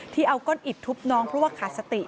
ที่เอาก้อนอิดทุบน้องเพราะว่าขาดสติ